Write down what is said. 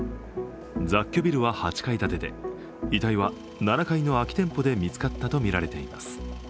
雑居ビルは８階建てで、遺体は７階の空き店舗で見つかったとみられています。